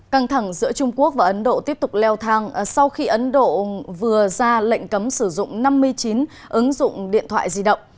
căng thẳng giữa trung quốc và ấn độ tiếp tục leo thang sau khi ấn độ vừa ra lệnh cấm sử dụng năm mươi chín ứng dụng điện thoại di động